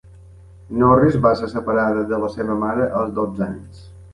Norris va ser separada de la seva mare als dotze anys.